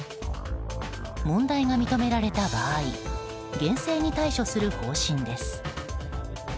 問題が認められた場合厳正に対処する方針です。